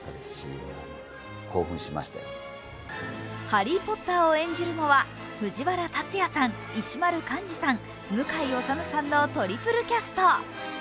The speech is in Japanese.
ハリー・ポッターを演じるのは藤原竜也さん、石丸幹二さん向井理さんのトリプルキャスト。